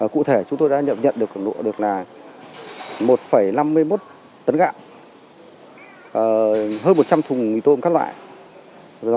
cụ thể chúng tôi đã nhận được là một năm mươi một tấn gạo hơn một trăm linh thùng mì tôm các loại